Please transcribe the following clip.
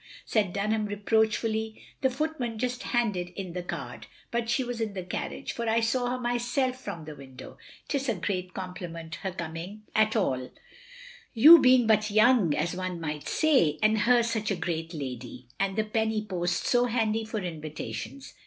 said Dunham, reproachfully. "The footman just handed in the card. But she was in the carriage, for I saw her myself from the window. 'Tis a great compliment her coming i62 THE LONELY LADY at all. You being but young, as one might say, and her such a great lady, and the penny post so handy for invitations.